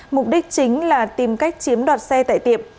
mục đích chính là tìm cách chiếm đoạt xe tại tiệm